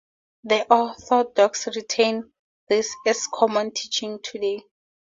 The Orthodox retain this as common teaching today.